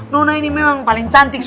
nona ini memang paling cantik